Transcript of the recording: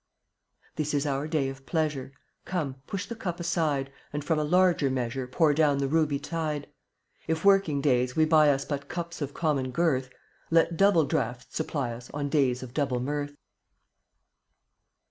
55 This is our day of pleasure, Come, push the cup aside, And from a larger measure Pour down the ruby tide. If working days we buy us But cups of common girth, Let double draughts supply us On days of double mirth.